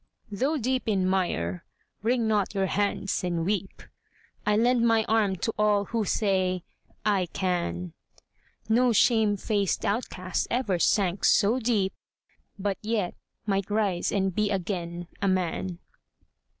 Though deep in mire, wring not your hands and weep; I lend my arm to all who say "I can!" No shame faced outcast ever sank so deep, But yet might rise and be again a man